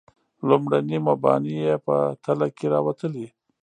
لومړني مباني یې په تله کې راوتلي.